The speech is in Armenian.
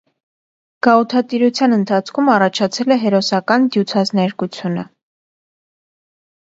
Գաղութատիրության ընթացքում առաջացել է հերոսական դյուցազներգությունը։